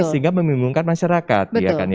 sehingga memimungkan masyarakat